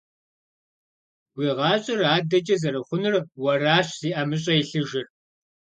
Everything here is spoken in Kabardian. Уи гъащӀэр адэкӀэ зэрыхъунур уэращ зи ӀэмыщӀэ илъыжыр.